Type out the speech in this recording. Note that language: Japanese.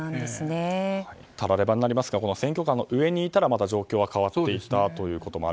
たらればになりますが選挙カーの上にいたらまだ状況が変わっていたと。